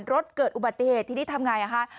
รถเกิดอุบัติเหตุที่นี่ทำอย่างไร